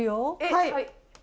はい。